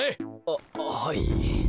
あっははい。